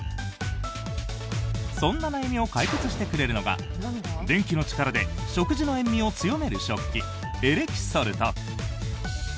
そんな悩みを解決してくれるのが電気の力で食事の塩味を強める食器エレキソルト。